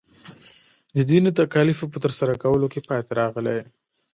د دیني تکالیفو په ترسره کولو کې پاتې راغلی.